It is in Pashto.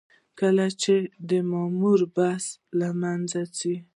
کله چې د مامور بست له منځه ځي.